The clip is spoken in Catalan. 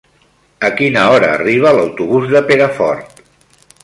A quina hora arriba l'autobús de Perafort?